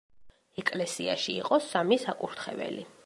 ეკლესიაში იყო სამი საკურთხეველი.